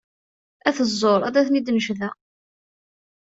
At ẓẓur ad ten-id-necdeɣ.